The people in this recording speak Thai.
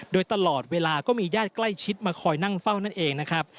โดยตลอดเวลาก็มีญาติใกล้ชิดมาคอยนั่งเฝ้านั่นเองนะครับ